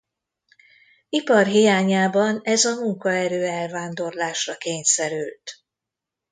Ipar hiányában ez a munkaerő elvándorlásra kényszerült.